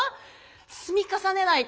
積み重ねないと。